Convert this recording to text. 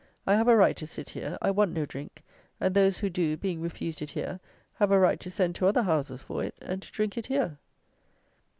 I have a right to sit here; I want no drink, and those who do, being refused it here, have a right to send to other houses for it, and to drink it here."